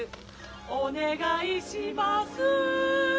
お願いします